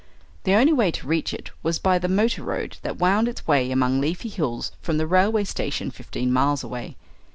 The only way to reach it was by the motor road that wound its way among leafy hills from the railway station fifteen miles away.